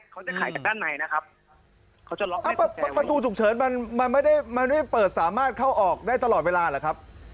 เขาจะขายจากด้านในนะครับประตูฉุกเฉินมันไม่ได้เปิดสามารถเข้าออกได้ตลอดเวลาหรือครับ